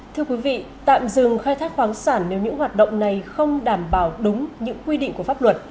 thưa quý vị tạm dừng khai thác khoáng sản nếu những hoạt động này không đảm bảo đúng những quy định của pháp luật